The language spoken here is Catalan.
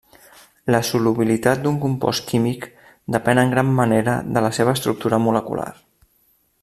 La solubilitat d'un compost químic depèn en gran manera de la seva estructura molecular.